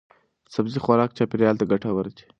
د سبزی خوراک چاپیریال ته ګټور دی.